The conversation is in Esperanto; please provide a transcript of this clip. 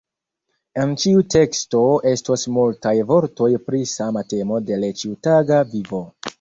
En ĉiu teksto estos multaj vortoj pri sama temo de l' ĉiutaga vivo.